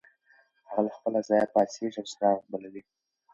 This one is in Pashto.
هغه له خپل ځایه پاڅېږي او څراغ بلوي.